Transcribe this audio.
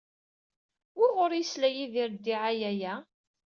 Wuɣur ay yesla Yidir ddiɛaya-a?